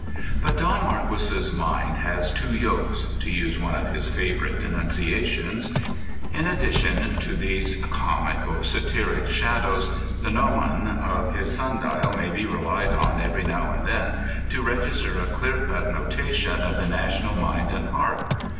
But Don Marquis's mind has two yolks (to use one of his favourite denunciations). In addition to these comic or satiric shadows, the gnomon of his Sun Dial may be relied on every now and then to register a clear cut notation of the national mind and heart.